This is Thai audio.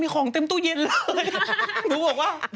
มีของเต็มตู้เย็นเลย